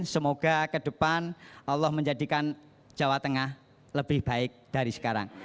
semoga ke depan allah menjadikan jawa tengah lebih baik dari sekarang